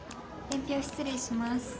伝票失礼します。